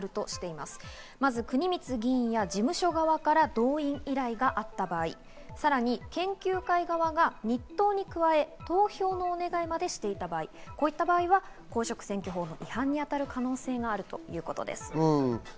まず国光議員や事務所側から動員依頼があった場合、さらに研究会側が日当に加え、投票のお願いまでしていた場合、こういった場合は公職選挙法の違反に当たる可能性があるということです。